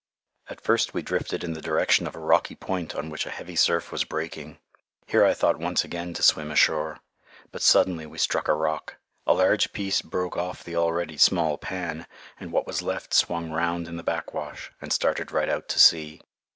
At first we drifted in the direction of a rocky point on which a heavy surf was breaking. Here I thought once again to swim ashore. But suddenly we struck a rock. A large piece broke off the already small pan, and what was left swung round in the backwash, and started right out to sea.